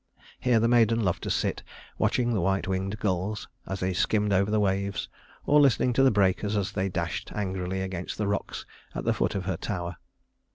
Here the maiden loved to sit, watching the white winged gulls as they skimmed over the waves, or listening to the breakers as they dashed angrily against the rocks at the foot of her tower.